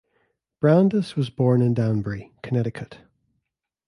Brandis was born in Danbury, Connecticut.